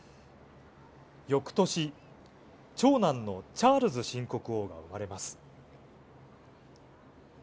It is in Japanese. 翌年、長男のチャールズ新国王が生まれます。